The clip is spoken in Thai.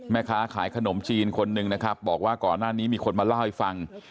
แม่ค้าขายขนมจีนคนหนึ่งนะครับบอกว่าก่อนหน้านี้มีคนมาเล่าให้ฟัง